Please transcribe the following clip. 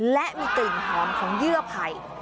และมีกลิ่นหอมของเยื่อไผ่